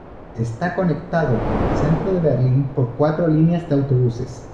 Está conectado con el centro de Berlín por cuatro líneas de autobuses.